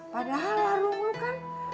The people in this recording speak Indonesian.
padahal larung lu kan